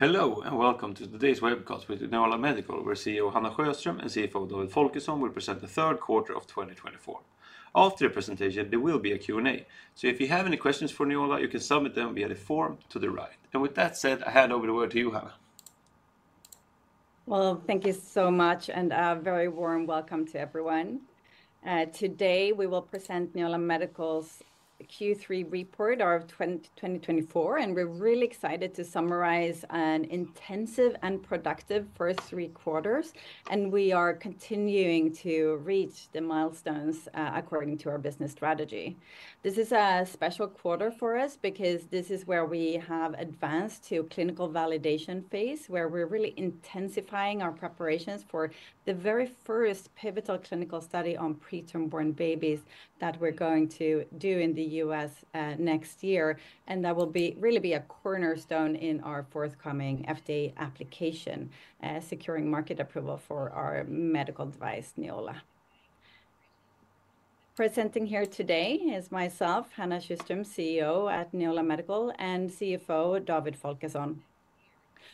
Hello and welcome to today's webcast with Neola Medical, where CEO Hanna Sjöström and CFO David Folkesson will present the third quarter of 2024. After the presentation, there will be a Q&A, so if you have any questions for Neola, you can submit them via the form to the right. And with that said, I hand over the word to you, Hanna. Thank you so much, and a very warm welcome to everyone. Today we will present Neola Medical's Q3 report of 2024, and we're really excited to summarize an intensive and productive first three quarters. We are continuing to reach the milestones according to our business strategy. This is a special quarter for us because this is where we have advanced to the clinical validation phase, where we're really intensifying our preparations for the very first pivotal clinical study on preterm-born babies that we're going to do in the U.S. next year. That will really be a cornerstone in our forthcoming FDA application, securing market approval for our medical device, Neola. Presenting here today is myself, Hanna Sjöström, CEO at Neola Medical, and CFO David Folkesson.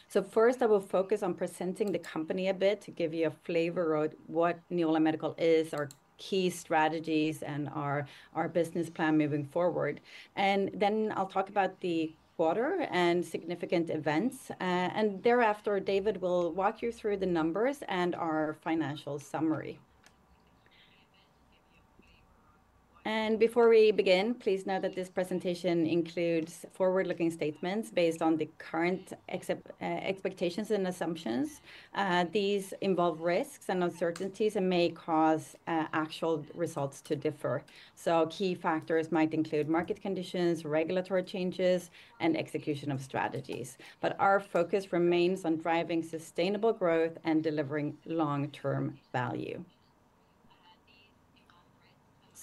So first, I will focus on presenting the company a bit to give you a flavor of what Neola Medical is, our key strategies, and our business plan moving forward. And then I'll talk about the quarter and significant events. And thereafter, David will walk you through the numbers and our financial summary. And before we begin, please note that this presentation includes forward-looking statements based on the current expectations and assumptions. These involve risks and uncertainties and may cause actual results to differ. So key factors might include market conditions, regulatory changes, and execution of strategies. But our focus remains on driving sustainable growth and delivering long-term value.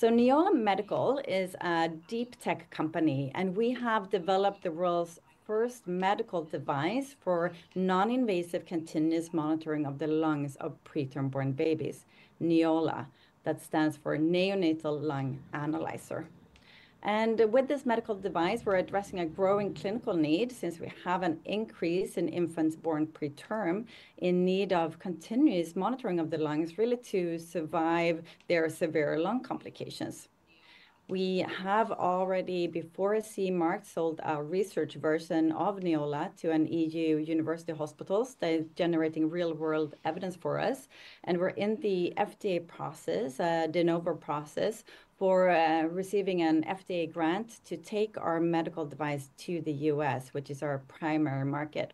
So Neola Medical is a deep tech company, and we have developed the world's first medical device for non-invasive continuous monitoring of the lungs of preterm-born babies, Neola, that stands for Neonatal Lung Analyzer. With this medical device, we're addressing a growing clinical need since we have an increase in infants born preterm in need of continuous monitoring of the lungs really to survive their severe lung complications. We have already, before CMARC, sold our research version of Neola to an EU university hospital. They're generating real-world evidence for us, and we're in the FDA process, a De Novo process, for receiving an FDA grant to take our medical device to the U.S., which is our primary market.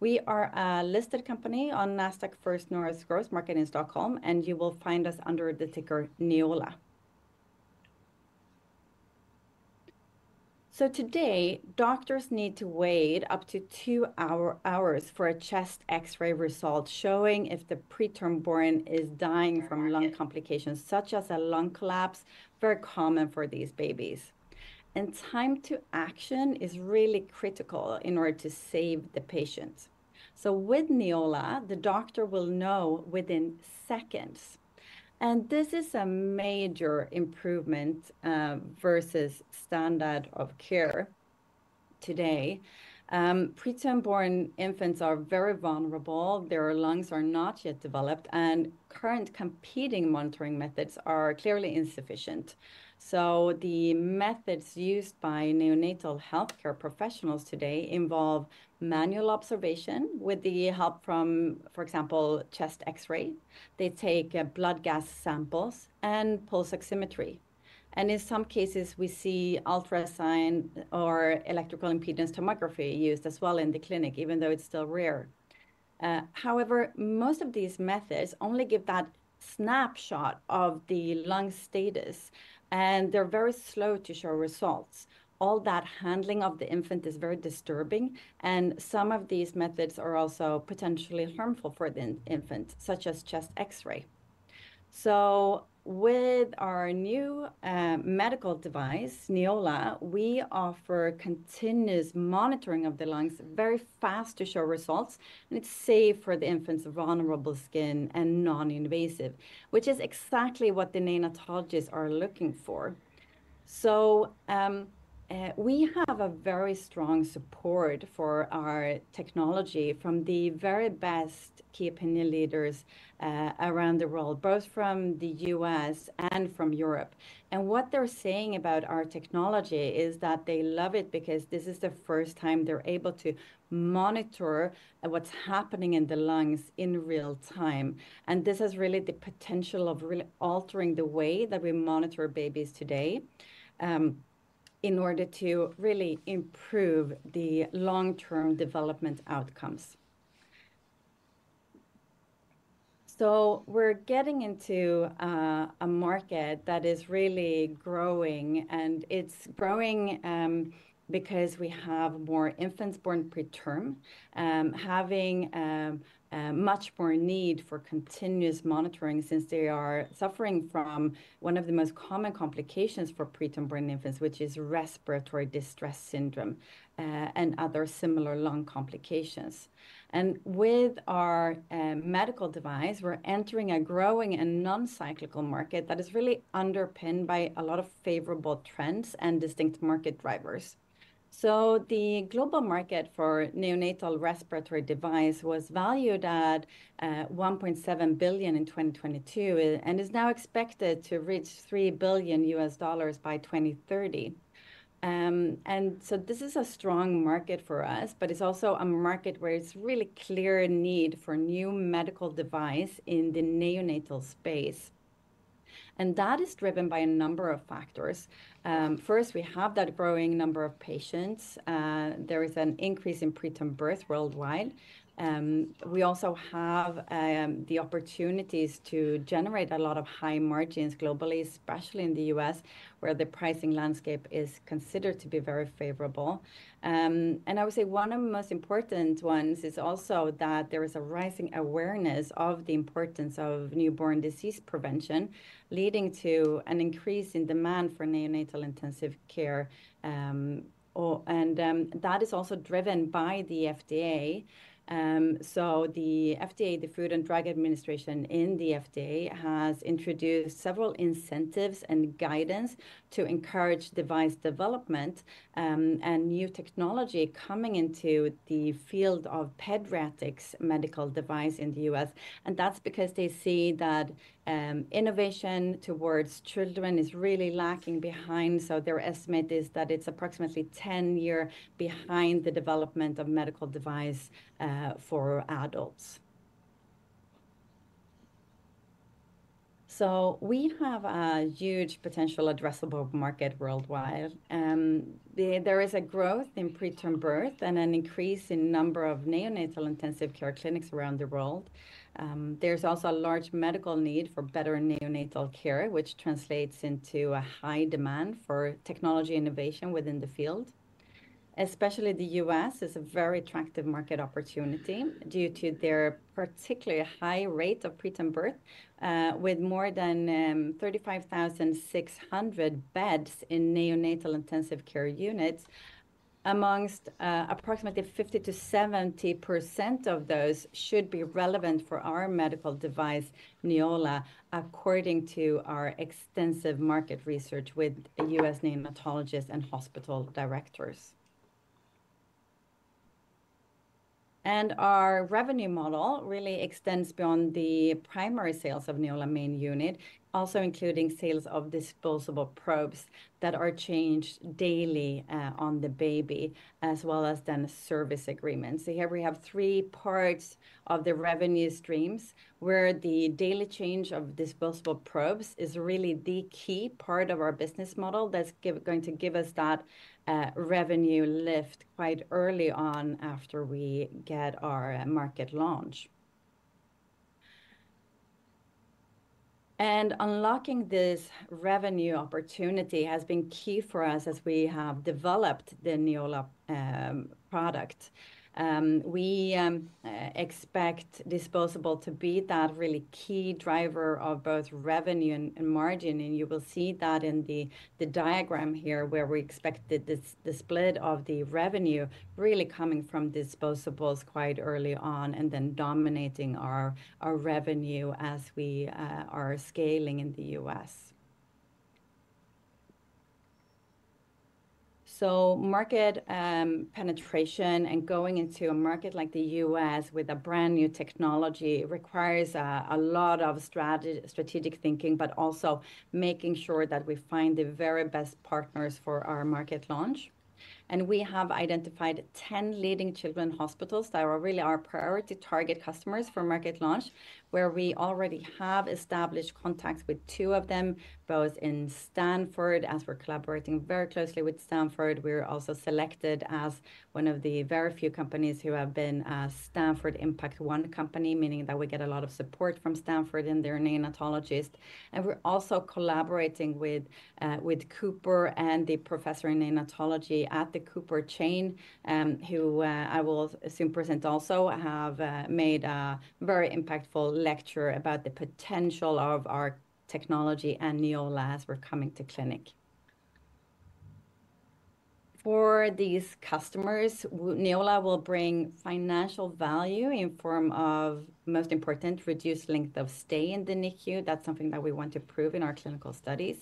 We are a listed company on Nasdaq First North Growth Market in Stockholm, and you will find us under the ticker Neola. Today, doctors need to wait up to two hours for a chest X-ray result showing if the preterm-born is dying from lung complications such as a lung collapse, very common for these babies. Time to action is really critical in order to save the patient. With Neola, the doctor will know within seconds. This is a major improvement versus standard of care today. Preterm-born infants are very vulnerable. Their lungs are not yet developed, and current competing monitoring methods are clearly insufficient. The methods used by neonatal healthcare professionals today involve manual observation with the help from, for example, chest X-ray. They take blood gas samples and pulse oximetry. In some cases, we see ultrasound or electrical impedance tomography used as well in the clinic, even though it's still rare. However, most of these methods only give that snapshot of the lung status, and they're very slow to show results. All that handling of the infant is very disturbing, and some of these methods are also potentially harmful for the infant, such as chest X-ray. With our new medical device, Neola, we offer continuous monitoring of the lungs very fast to show results, and it's safe for the infant's vulnerable skin and non-invasive, which is exactly what the neonatologists are looking for. We have a very strong support for our technology from the very best key opinion leaders around the world, both from the U.S. and from Europe. What they're saying about our technology is that they love it because this is the first time they're able to monitor what's happening in the lungs in real time. This has really the potential of really altering the way that we monitor babies today in order to really improve the long-term development outcomes. We're getting into a market that is really growing, and it's growing because we have more infants born preterm, having much more need for continuous monitoring since they are suffering from one of the most common complications for preterm-born infants, which is Respiratory Distress Syndrome and other similar lung complications. And with our medical device, we're entering a growing and non-cyclical market that is really underpinned by a lot of favorable trends and distinct market drivers. The global market for neonatal respiratory devices was valued at $1.7 billion in 2022 and is now expected to reach $3 billion by 2030. And so this is a strong market for us, but it's also a market where it's really clear need for new medical devices in the neonatal space. And that is driven by a number of factors. First, we have that growing number of patients. There is an increase in preterm birth worldwide. We also have the opportunities to generate a lot of high margins globally, especially in the U.S., where the pricing landscape is considered to be very favorable. And I would say one of the most important ones is also that there is a rising awareness of the importance of newborn disease prevention, leading to an increase in demand for neonatal intensive care. And that is also driven by the FDA. So the FDA, the Food and Drug Administration in the FDA, has introduced several incentives and guidance to encourage device development and new technology coming into the field of pediatrics medical devices in the U.S. And that's because they see that innovation towards children is really lagging behind. So their estimate is that it's approximately 10 years behind the development of medical devices for adults. So we have a huge potential addressable market worldwide. There is a growth in preterm birth and an increase in the number of neonatal intensive care clinics around the world. There's also a large medical need for better neonatal care, which translates into a high demand for technology innovation within the field. Especially the U.S. is a very attractive market opportunity due to their particularly high rate of preterm birth, with more than 35,600 beds in neonatal intensive care units. Amongst approximately 50%-70% of those should be relevant for our medical device, Neola, according to our extensive market research with U.S. neonatologists and hospital directors. And our revenue model really extends beyond the primary sales of Neola main unit, also including sales of disposable probes that are changed daily on the baby, as well as then service agreements. So here we have three parts of the revenue streams where the daily change of disposable probes is really the key part of our business model that's going to give us that revenue lift quite early on after we get our market launch. And unlocking this revenue opportunity has been key for us as we have developed the Neola product. We expect disposable to be that really key driver of both revenue and margin, and you will see that in the diagram here where we expected the split of the revenue really coming from disposables quite early on and then dominating our revenue as we are scaling in the U.S. So market penetration and going into a market like the U.S. with a brand new technology requires a lot of strategic thinking, but also making sure that we find the very best partners for our market launch. We have identified 10 leading children's hospitals that are really our priority target customers for market launch, where we already have established contacts with two of them, both in Stanford, as we're collaborating very closely with Stanford. We're also selected as one of the very few companies who have been a Stanford Impact One company, meaning that we get a lot of support from Stanford and their neonatologists. We're also collaborating with Cooper and the professor in neonatology at the Cooper chain, who I will soon present also, have made a very impactful lecture about the potential of our technology and Neola as we're coming to clinic. For these customers, Neola will bring financial value in form of, most important, reduced length of stay in the NICU. That's something that we want to prove in our clinical studies.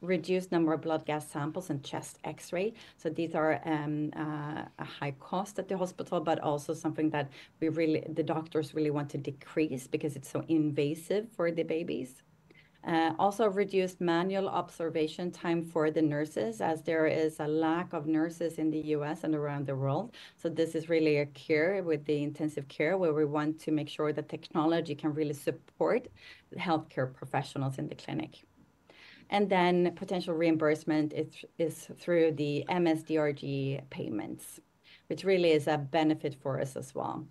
Reduced number of blood gas samples and chest X-ray. So these are a high cost at the hospital, but also something that the doctors really want to decrease because it's so invasive for the babies. Also reduced manual observation time for the nurses as there is a lack of nurses in the U.S. and around the world. So this is really a care with the intensive care where we want to make sure that technology can really support healthcare professionals in the clinic. And then potential reimbursement is through the MS-DRG payments, which really is a benefit for us as well.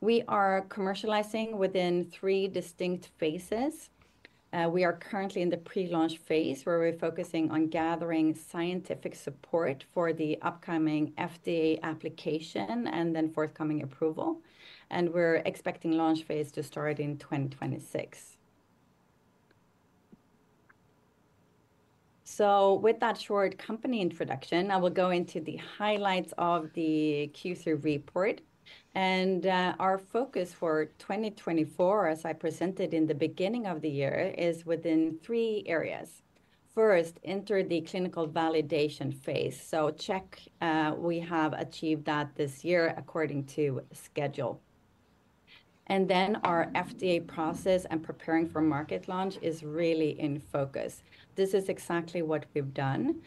We are commercializing within three distinct phases. We are currently in the pre-launch phase where we're focusing on gathering scientific support for the upcoming FDA application and then forthcoming approval. And we're expecting launch phase to start in 2026. So with that short company introduction, I will go into the highlights of the Q3 report. Our focus for 2024, as I presented in the beginning of the year, is within three areas. First, enter the clinical validation phase. Check we have achieved that this year according to schedule. Our FDA process and preparing for market launch is really in focus. This is exactly what we've done.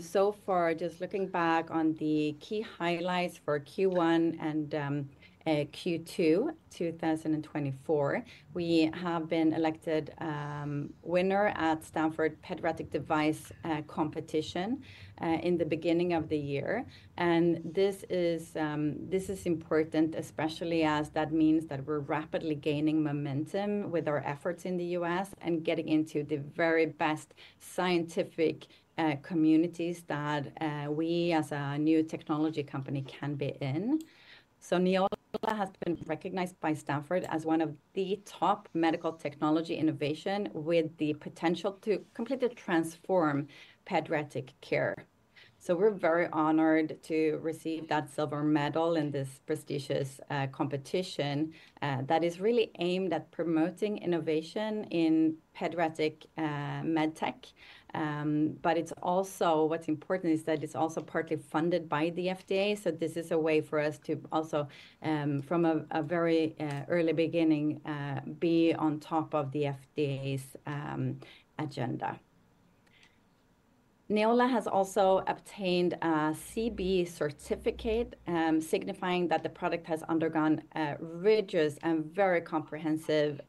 So far, just looking back on the key highlights for Q1 and Q2 2024, we have been elected winner at Stanford Pediatric Device Competition in the beginning of the year. This is important, especially as that means that we're rapidly gaining momentum with our efforts in the U.S. and getting into the very best scientific communities that we as a new technology company can be in. Neola has been recognized by Stanford as one of the top medical technology innovations with the potential to completely transform pediatric care. We're very honored to receive that silver medal in this prestigious competition that is really aimed at promoting innovation in pediatric med tech. But it's also what's important is that it's also partly funded by the FDA. So this is a way for us to also, from a very early beginning, be on top of the FDA's agenda. Neola has also obtained a CB certificate signifying that the product has undergone rigorous and very comprehensive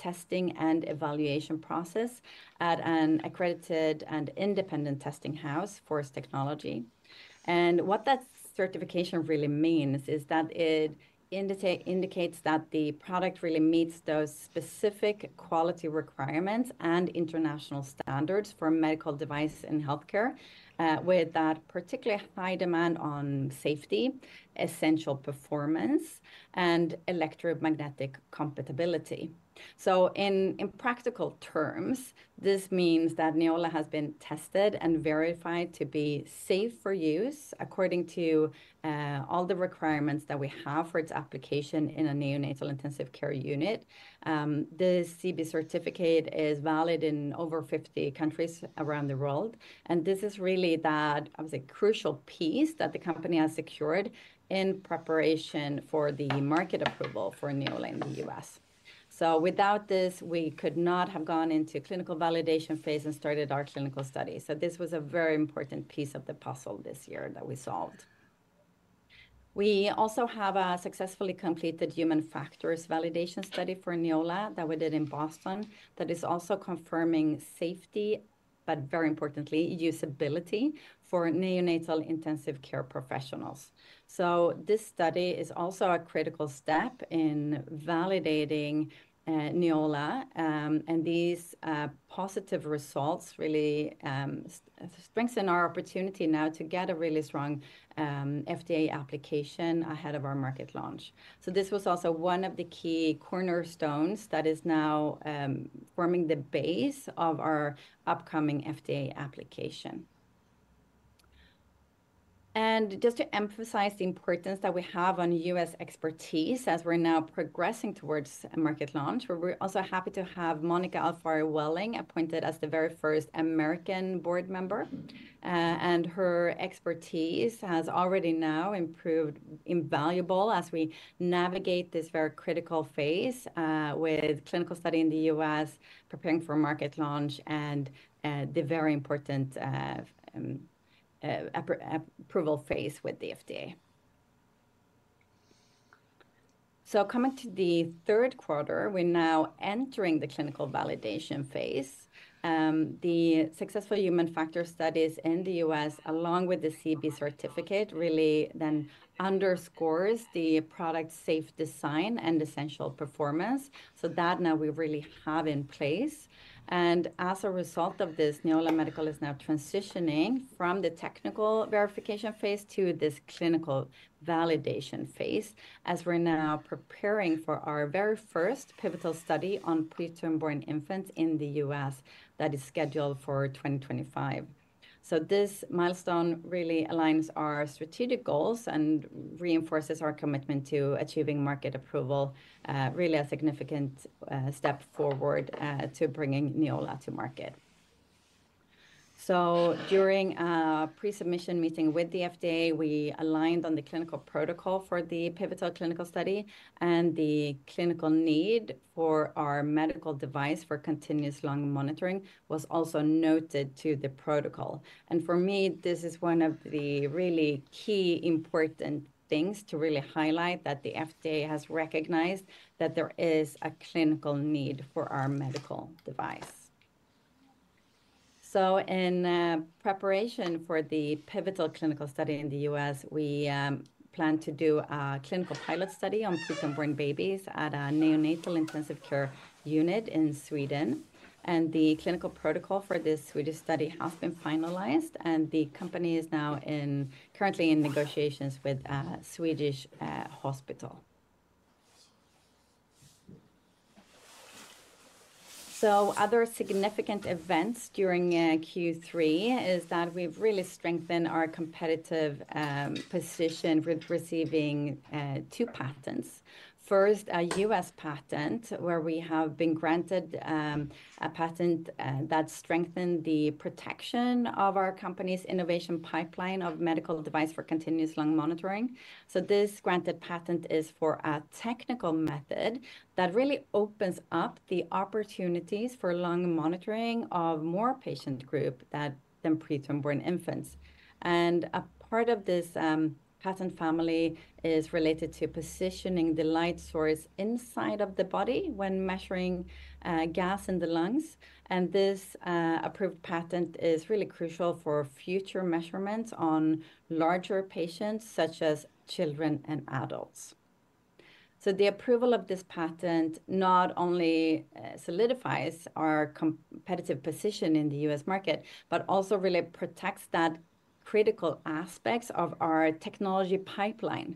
testing and evaluation process at an accredited and independent testing house, FORCE Technology. And what that certification really means is that it indicates that the product really meets those specific quality requirements and international standards for medical devices in healthcare with that particularly high demand on safety, essential performance, and electromagnetic compatibility. In practical terms, this means that Neola has been tested and verified to be safe for use according to all the requirements that we have for its application in a neonatal intensive care unit. The CB certificate is valid in over 50 countries around the world. This is really that, I would say, crucial piece that the company has secured in preparation for the market approval for Neola in the U.S. Without this, we could not have gone into clinical validation phase and started our clinical studies. This was a very important piece of the puzzle this year that we solved. We also have a successfully completed human factors validation study for Neola that we did in Boston that is also confirming safety, but very importantly, usability for neonatal intensive care professionals. This study is also a critical step in validating Neola. These positive results really strengthen our opportunity now to get a really strong FDA application ahead of our market launch. So this was also one of the key cornerstones that is now forming the base of our upcoming FDA application. And just to emphasize the importance that we have on U.S. expertise as we're now progressing towards a market launch, we're also happy to have Monica Alfaro Welling appointed as the very first American board member. And her expertise has already now proven invaluable as we navigate this very critical phase with clinical study in the U.S., preparing for market launch, and the very important approval phase with the FDA. So coming to the third quarter, we're now entering the clinical validation phase. The successful human factor studies in the U.S., along with the CB certificate, really then underscores the product's safe design and essential performance. So that now we really have in place. And as a result of this, Neola Medical is now transitioning from the technical verification phase to this clinical validation phase as we're now preparing for our very first pivotal study on preterm-born infants in the U.S. that is scheduled for 2025. So this milestone really aligns our strategic goals and reinforces our commitment to achieving market approval, really a significant step forward to bringing Neola to market. So during a pre-submission meeting with the FDA, we aligned on the clinical protocol for the pivotal clinical study, and the clinical need for our medical device for continuous lung monitoring was also noted to the protocol. And for me, this is one of the really key important things to really highlight that the FDA has recognized that there is a clinical need for our medical device. In preparation for the pivotal clinical study in the U.S., we plan to do a clinical pilot study on preterm-born babies at a neonatal intensive care unit in Sweden. The clinical protocol for this Swedish study has been finalized, and the company is now currently in negotiations with a Swedish hospital. Other significant events during Q3 is that we've really strengthened our competitive position with receiving two patents. First, a U.S. patent where we have been granted a patent that strengthened the protection of our company's innovation pipeline of medical devices for continuous lung monitoring. This granted patent is for a technical method that really opens up the opportunities for lung monitoring of more patient groups than preterm-born infants. A part of this patent family is related to positioning the light source inside of the body when measuring gas in the lungs. This approved patent is really crucial for future measurements on larger patients such as children and adults. The approval of this patent not only solidifies our competitive position in the U.S. market, but also really protects that critical aspects of our technology pipeline.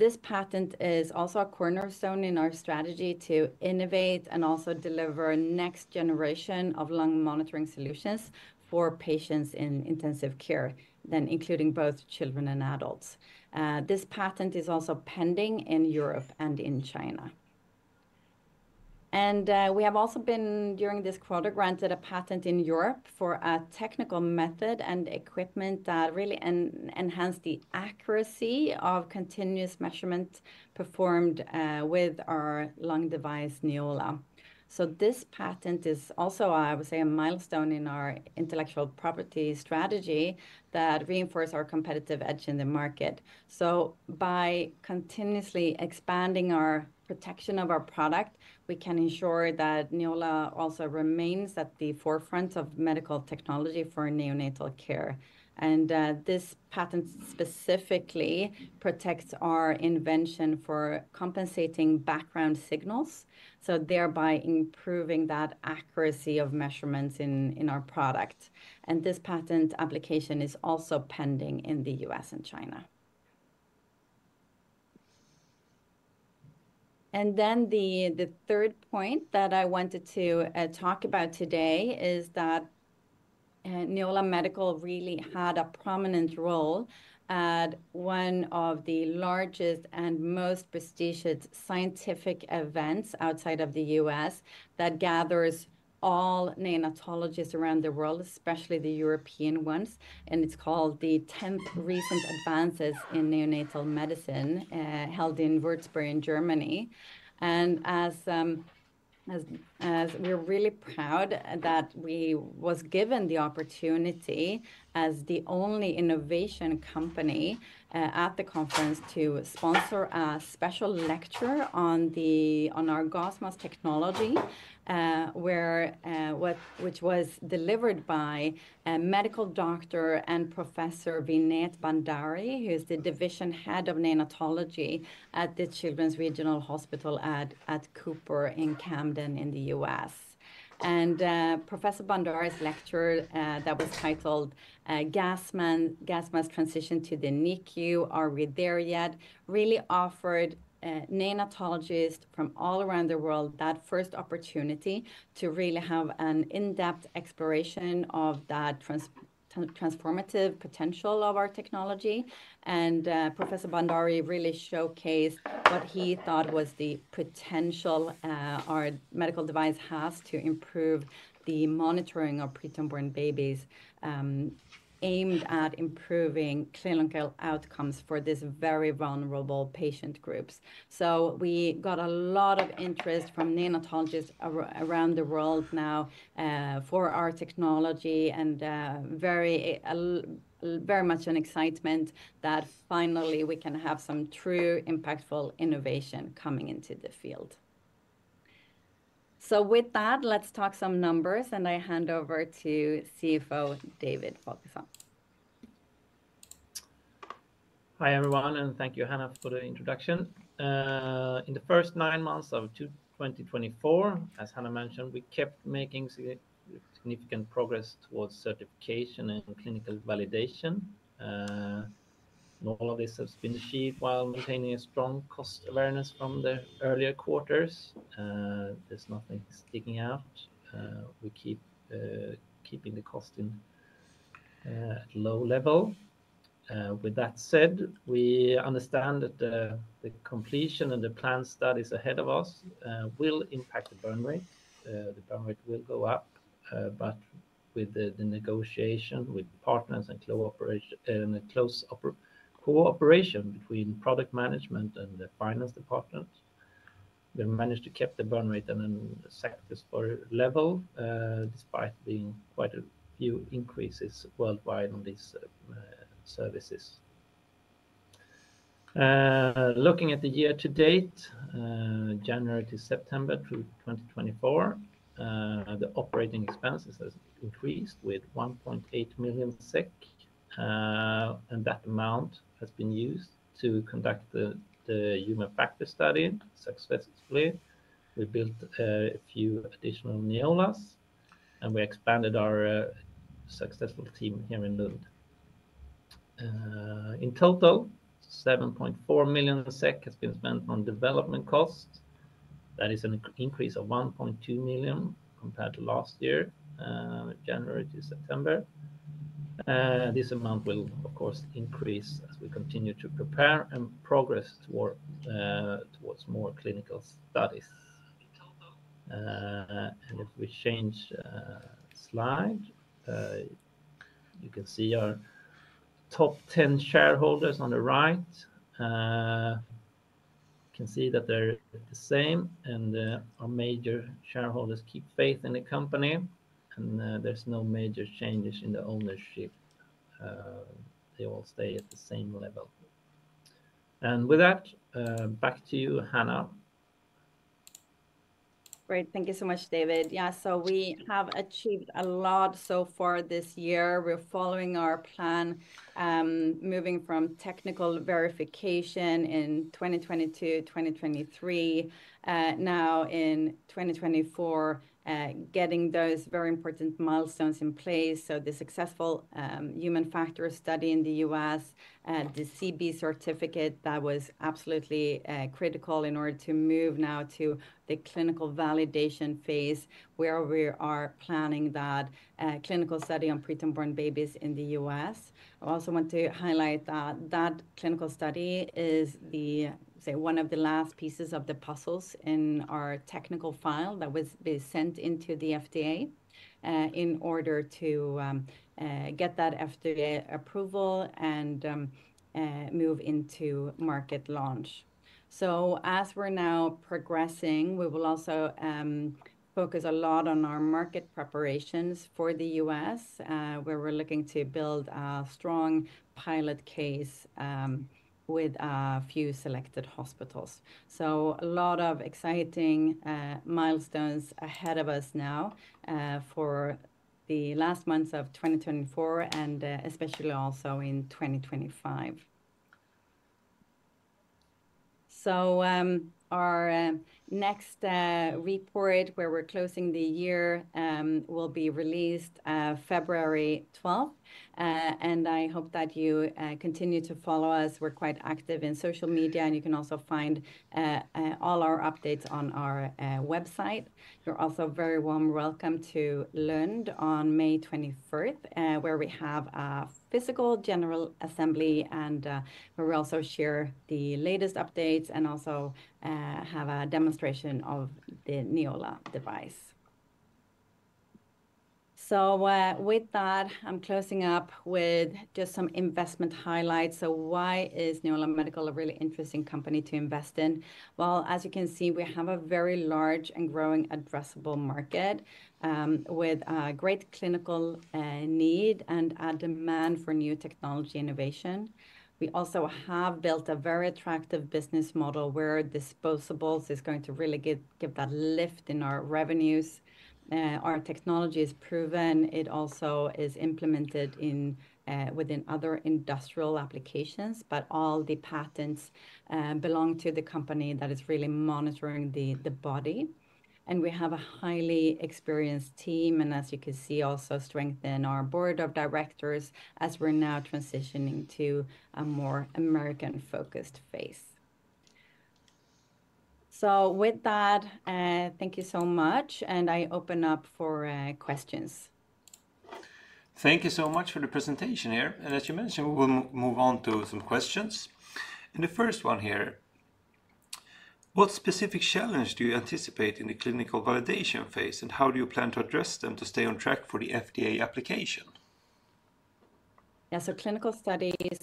This patent is also a cornerstone in our strategy to innovate and also deliver next generation of lung monitoring solutions for patients in intensive care, then including both children and adults. This patent is also pending in Europe and in China. We have also been during this quarter granted a patent in Europe for a technical method and equipment that really enhanced the accuracy of continuous measurement performed with our lung device, Neola. This patent is also, I would say, a milestone in our intellectual property strategy that reinforces our competitive edge in the market. So by continuously expanding our protection of our product, we can ensure that Neola also remains at the forefront of medical technology for neonatal care. And this patent specifically protects our invention for compensating background signals, so thereby improving that accuracy of measurements in our product. And this patent application is also pending in the U.S. and China. And then the third point that I wanted to talk about today is that Neola Medical really had a prominent role at one of the largest and most prestigious scientific events outside of the U.S. that gathers all neonatologists around the world, especially the European ones. And it's called the 10th Recent Advances in Neonatal Medicine held in Würzburg in Germany. And as we're really proud that we were given the opportunity as the only innovation company at the conference to sponsor a special lecture on our GASMAS technology, which was delivered by a medical doctor and professor, Vinay Bhandari, who is the division head of neonatology at the Children's Regional Hospital at Cooper in Camden in the U.S. And Professor Bhandari's lecture that was titled, "GASMAS Transition to the NICU, Are We There Yet?" really offered neonatologists from all around the world that first opportunity to really have an in-depth exploration of that transformative potential of our technology. And Professor Bhandari really showcased what he thought was the potential our medical device has to improve the monitoring of preterm-born babies aimed at improving clinical outcomes for these very vulnerable patient groups. We got a lot of interest from neonatologists around the world now for our technology and very much an excitement that finally we can have some true impactful innovation coming into the field. With that, let's talk some numbers, and I hand over to CFO David Folkesson. Hi everyone, and thank you, Hanna, for the introduction. In the first nine months of 2024, as Hanna mentioned, we kept making significant progress towards certification and clinical validation. All of this has been achieved while maintaining a strong cost awareness from the earlier quarters. There's nothing sticking out. We keep the cost at a low level. With that said, we understand that the completion and the planned studies ahead of us will impact the burn rate. The burn rate will go up, but with the negotiation with partners and close cooperation between product management and the finance department, we managed to keep the burn rate at an acceptable level despite being quite a few increases worldwide on these services. Looking at the year to date, January to September 2024, the operating expenses have increased with 1.8 million SEK. That amount has been used to conduct the human factor study successfully. We built a few additional Neola, and we expanded our successful team here in Lund. In total, 7.4 million SEK has been spent on development costs. That is an increase of 1.2 million SEK compared to last year, January to September. This amount will, of course, increase as we continue to prepare and progress towards more clinical studies. If we change the slide, you can see our top 10 shareholders on the right. You can see that they're the same, and our major shareholders keep faith in the company, and there's no major changes in the ownership. They all stay at the same level. With that, back to you, Hanna. Great. Thank you so much, David. Yeah, so we have achieved a lot so far this year. We're following our plan, moving from technical verification in 2022, 2023, now in 2024, getting those very important milestones in place. The successful human factor study in the U.S., the CB certificate that was absolutely critical in order to move now to the clinical validation phase where we are planning that clinical study on preterm-born babies in the U.S. I also want to highlight that clinical study is the, say, one of the last pieces of the puzzles in our technical file that was sent into the FDA in order to get that FDA approval and move into market launch. So as we're now progressing, we will also focus a lot on our market preparations for the U.S., where we're looking to build a strong pilot case with a few selected hospitals. So a lot of exciting milestones ahead of us now for the last months of 2024, and especially also in 2025. So our next report, where we're closing the year, will be released February 12th. And I hope that you continue to follow us. We're quite active in social media, and you can also find all our updates on our website. You're also very warmly welcome to Lund on May 21st, where we have a physical general assembly and where we also share the latest updates and also have a demonstration of the Neola device. So with that, I'm closing up with just some investment highlights. So why is Neola Medical a really interesting company to invest in? Well, as you can see, we have a very large and growing addressable market with a great clinical need and a demand for new technology innovation. We also have built a very attractive business model where disposables is going to really give that lift in our revenues. Our technology is proven. It also is implemented within other industrial applications, but all the patents belong to the company that is really monitoring the body. We have a highly experienced team, and as you can see, also strengthen our board of directors as we're now transitioning to a more American-focused phase. With that, thank you so much, and I open up for questions. Thank you so much for the presentation here. As you mentioned, we will move on to some questions. The first one here, what specific challenge do you anticipate in the clinical validation phase, and how do you plan to address them to stay on track for the FDA application? Yeah, so clinical studies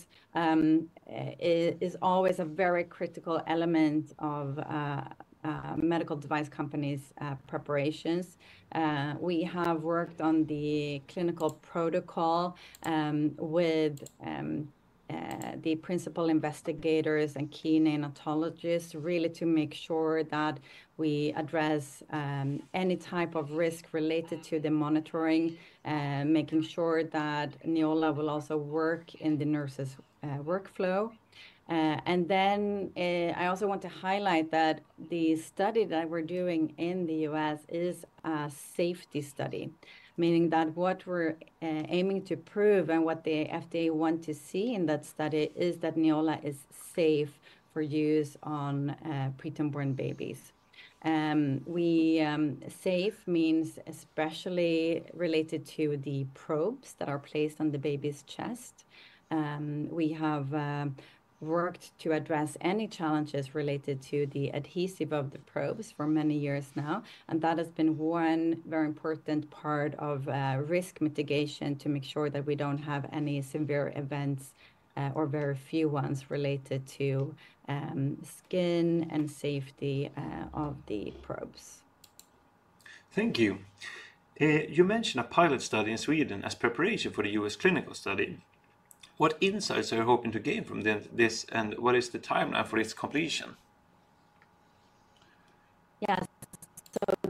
is always a very critical element of medical device companies' preparations. We have worked on the clinical protocol with the principal investigators and key neonatologists really to make sure that we address any type of risk related to the monitoring, making sure that Neola will also work in the nurse's workflow. And then I also want to highlight that the study that we're doing in the U.S. is a safety study, meaning that what we're aiming to prove and what the FDA want to see in that study is that Neola is safe for use on preterm-born babies. Safe means especially related to the probes that are placed on the baby's chest. We have worked to address any challenges related to the adhesive of the probes for many years now, and that has been one very important part of risk mitigation to make sure that we don't have any severe events or very few ones related to skin and safety of the probes. Thank you. You mentioned a pilot study in Sweden as preparation for the U.S. clinical study. What insights are you hoping to gain from this and what is the timeline for its completion? Yes. So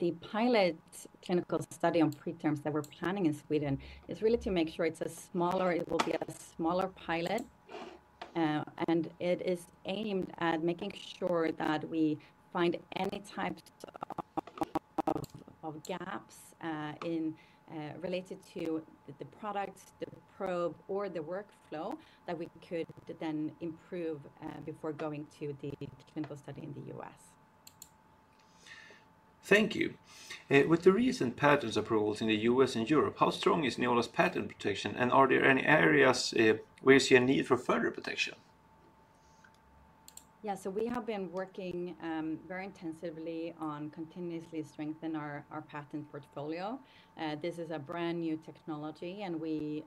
the pilot clinical study on preterms that we're planning in Sweden is really to make sure it's a smaller pilot. And it is aimed at making sure that we find any types of gaps related to the product, the probe, or the workflow that we could then improve before going to the clinical study in the U.S. Thank you. With the recent patent approvals in the U.S. and Europe, how strong is Neola's patent protection, and are there any areas where you see a need for further protection? Yeah, so we have been working very intensively on continuously strengthening our patent portfolio. This is a brand new technology, and we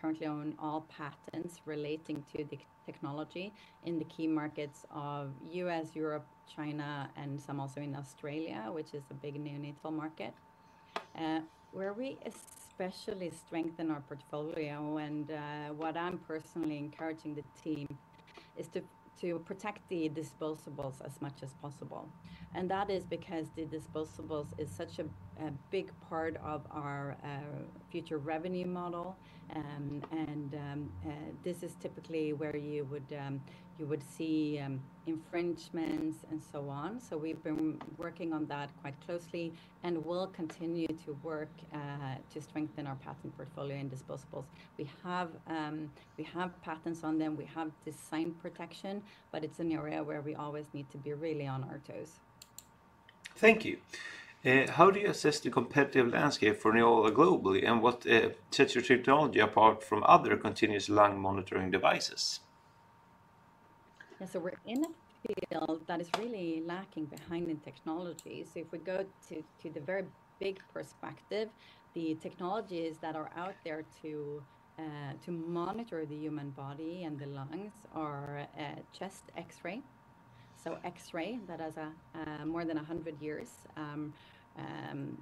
currently own all patents relating to the technology in the key markets of U.S., Europe, China, and some also in Australia, which is a big neonatal market. Where we especially strengthen our portfolio and what I'm personally encouraging the team is to protect the disposables as much as possible. And that is because the disposables is such a big part of our future revenue model. And this is typically where you would see infringements and so on. So we've been working on that quite closely and will continue to work to strengthen our patent portfolio and disposables. We have patents on them. We have design protection, but it's an area where we always need to be really on our toes. Thank you. How do you assess the competitive landscape for Neola globally, and what sets your technology apart from other continuous lung monitoring devices? Yeah, so we're in a field that is really lacking behind in technology. If we go to the very big perspective, the technologies that are out there to monitor the human body and the lungs are chest X-ray. X-ray that has more than 100 years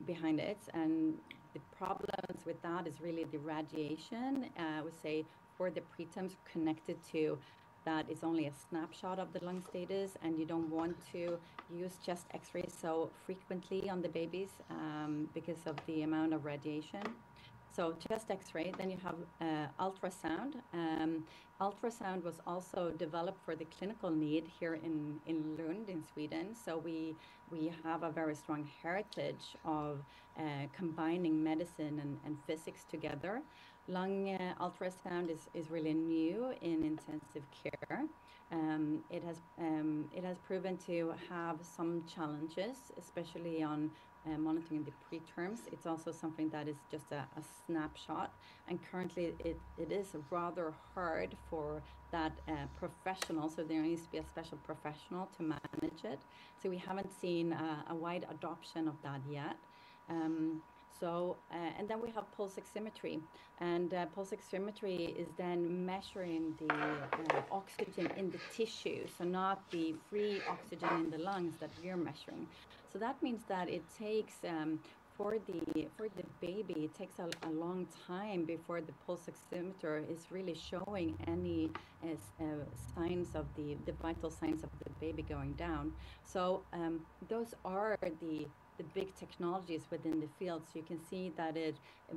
behind it. The problems with that are really the radiation. I would say for the preterms connected to that is only a snapshot of the lung status, and you don't want to use chest X-ray so frequently on the babies because of the amount of radiation. Chest X-ray, then you have ultrasound. Ultrasound was also developed for the clinical need here in Lund in Sweden. We have a very strong heritage of combining medicine and physics together. Lung ultrasound is really new in intensive care. It has proven to have some challenges, especially on monitoring the preterms. It's also something that is just a snapshot. And currently, it is rather hard for that professional. So there needs to be a special professional to manage it. So we haven't seen a wide adoption of that yet. And then we have pulse oximetry. And pulse oximetry is then measuring the oxygen in the tissue, so not the free oxygen in the lungs that we're measuring. So that means that it takes for the baby, it takes a long time before the pulse oximeter is really showing any signs of the vital signs of the baby going down. So those are the big technologies within the field. So you can see that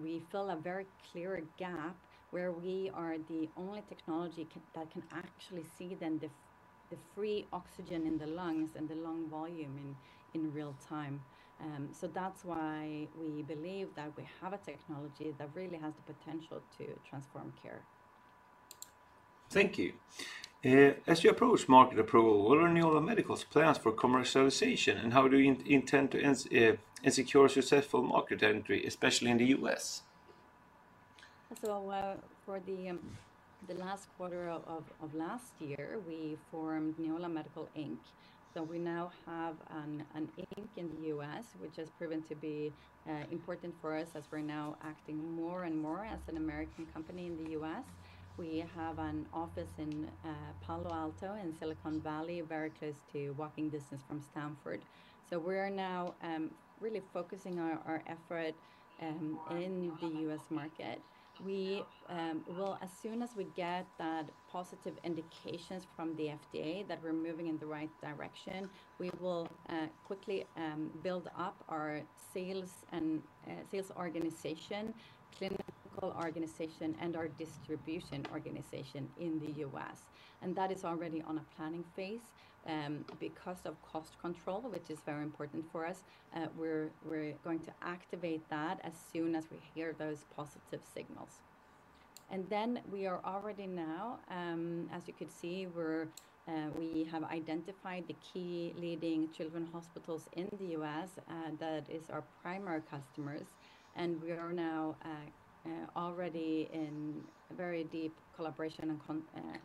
we fill a very clear gap where we are the only technology that can actually see then the free oxygen in the lungs and the lung volume in real time. So that's why we believe that we have a technology that really has the potential to transform care. Thank you. As you approach market approval, what are Neola Medical's plans for commercialization, and how do you intend to ensure successful market entry, especially in the U.S.? So for the last quarter of last year, we formed Neola Medical Inc. So we now have an Inc. in the U.S., which has proven to be important for us as we're now acting more and more as an American company in the U.S. We have an office in Palo Alto in Silicon Valley, very close to walking distance from Stanford. So we're now really focusing our effort in the U.S. market. As soon as we get that positive indications from the FDA that we're moving in the right direction, we will quickly build up our sales organization, clinical organization, and our distribution organization in the U.S., and that is already on a planning phase because of cost control, which is very important for us. We're going to activate that as soon as we hear those positive signals, and then we are already now, as you could see, we have identified the key leading children's hospitals in the U.S. that are our primary customers, and we are now already in very deep collaboration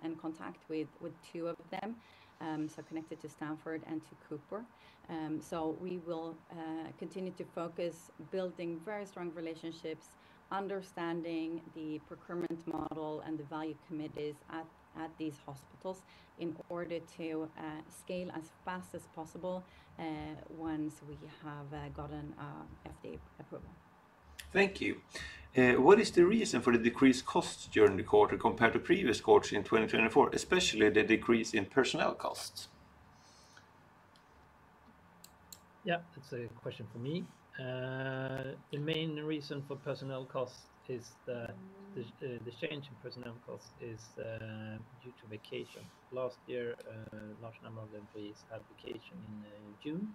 and contact with two of them, so connected to Stanford and to Cooper. So we will continue to focus on building very strong relationships, understanding the procurement model and the value committees at these hospitals in order to scale as fast as possible once we have gotten FDA approval. Thank you. What is the reason for the decreased costs during the quarter compared to previous quarters in 2024, especially the decrease in personnel costs? Yeah, that's a good question for me. The main reason for personnel costs is that the change in personnel costs is due to vacation. Last year, a large number of the employees had vacation in June,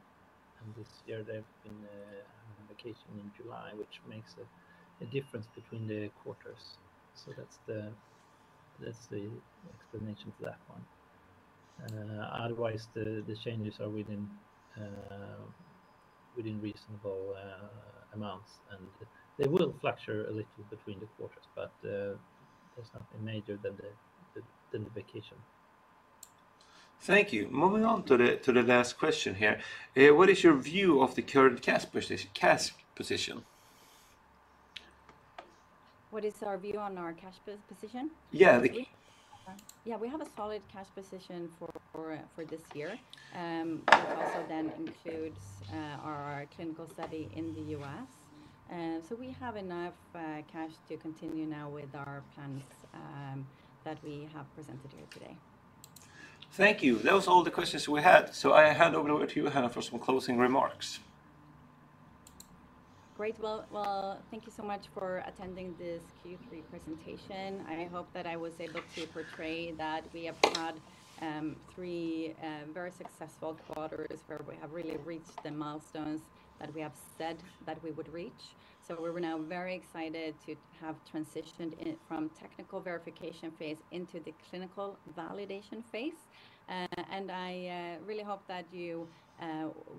and this year they've been on vacation in July, which makes a difference between the quarters. So that's the explanation for that one. Otherwise, the changes are within reasonable amounts, and they will fluctuate a little between the quarters, but there's nothing major than the vacation. Thank you. Moving on to the last question here. What is your view of the current cash position? What is our view on our cash position? Yeah, we have a solid cash position for this year, which also then includes our clinical study in the U.S. So we have enough cash to continue now with our plans that we have presented here today. Thank you. That was all the questions we had. So I hand over to you, Hanna, for some closing remarks. Great. Well, thank you so much for attending this Q3 presentation. I hope that I was able to portray that we have had three very successful quarters where we have really reached the milestones that we have said that we would reach. So we're now very excited to have transitioned from technical verification phase into the clinical validation phase. I really hope that you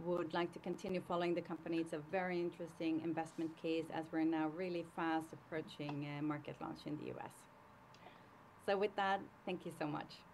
would like to continue following the company. It's a very interesting investment case as we're now really fast approaching market launch in the U.S. With that, thank you so much.